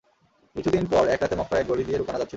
কিছু দিন পর এক রাতে মক্কার এক গলি দিয়ে রুকানা যাচ্ছিল।